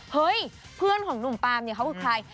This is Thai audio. เฮ้ยเพื่อนของหนุ่มปามเนี่ยเขาคือใคร